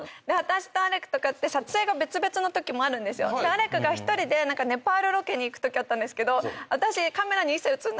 アレクが１人でネパールロケに行くときあったんですけど私。